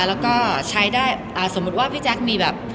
แล้วก็ใช้ได้สมมุติว่าพี่แจ๊คมีแบบ